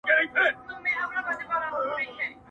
• نه به تر لاندي تش کړو جامونه -